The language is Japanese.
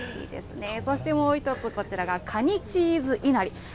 いいですね、そしてもう１つこちらがカニチーズいなり。